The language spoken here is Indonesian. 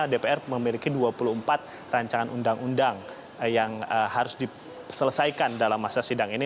dpr memiliki dua puluh empat rancangan undang undang yang harus diselesaikan dalam masa sidang ini